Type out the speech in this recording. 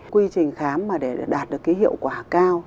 quy trình khám mà để đạt được cái hiệu quả cao